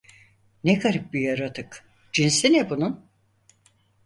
Ne garip bir yaratık, cinsi ne bunun?